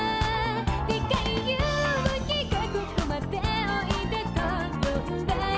「でっかい夕日がここまでおいでと呼んだよ」